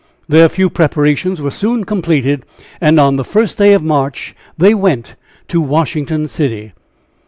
Their few preparations were soon completed, and on the first of March they went to Washington City.